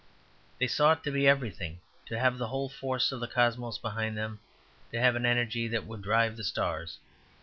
They sought to be everything, to have the whole force of the cosmos behind them, to have an energy that would drive the stars.